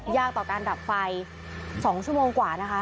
ต่อการดับไฟ๒ชั่วโมงกว่านะคะ